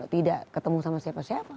tidak ketemu sama siapa siapa